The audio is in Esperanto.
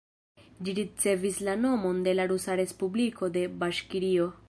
Ĝi ricevis la nomon de la rusa respubliko de Baŝkirio.